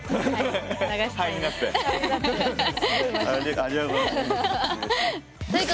ありがとうございます。